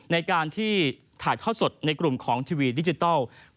ในการที่ถ่ายทอดสดในกลุ่มของทีวีดิจิทัล